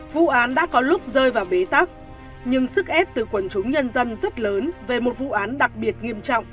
vụ án đã có lúc rơi vào bế tắc nhưng sức ép từ quần chúng nhân dân rất lớn về một vụ án đặc biệt nghiêm trọng